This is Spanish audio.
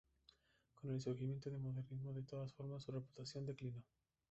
Con el surgimiento del Modernismo, de todas formas, su reputación declinó.